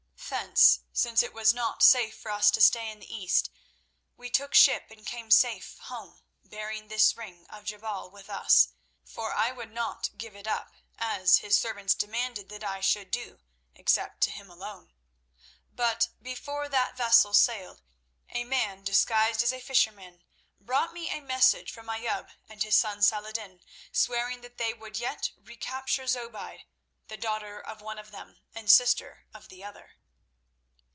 Thence, since it was not safe for us to stay in the East, we took ship and came safe home, bearing this ring of Jebal with us, for I would not give it up, as his servants demanded that I should do, except to him alone. But before that vessel sailed, a man disguised as a fisherman brought me a message from Ayoub and his son Saladin, swearing that they would yet recapture Zobeide, the daughter of one of them and sister of the other.